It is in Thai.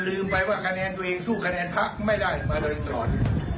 ลืมไปว่าคะแนนตัวเองสู้คะแนนพักไม่ได้มาโดยตลอด